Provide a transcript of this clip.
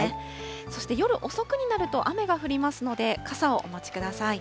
そして夜遅くになると雨が降りますので、傘をお持ちください。